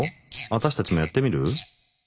アタシたちもやってみる？